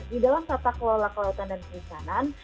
di dalam tata kelola kelolatan dan perusahaan